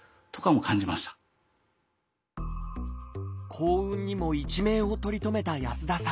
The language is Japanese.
幸運にも一命を取り留めた安田さん。